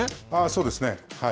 そうですね。